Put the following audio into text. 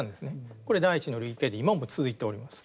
これ第一の類型で今も続いております。